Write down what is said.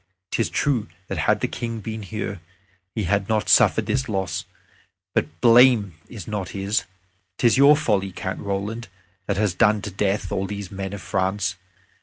'Tis true that had the King been here, we had not suffered this loss. But the blame is not his. 'Tis your folly, Count Roland, that has done to death all these men of France.